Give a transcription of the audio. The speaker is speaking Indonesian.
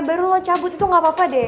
baru lo cabut itu gak apa apa deh